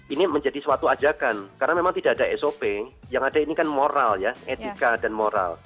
ini menjadi suatu ajakan karena memang tidak ada sop yang ada ini kan moral ya etika dan moral